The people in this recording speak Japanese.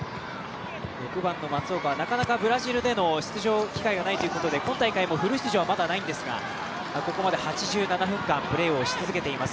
６番の松岡、なかなかブラジルでの出場機会がないということで今大会もフル出場はまだないんですが、ここまで８７分間、プレーをし続けています